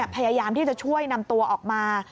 พยายามที่จะช่วยนำตัวออกมา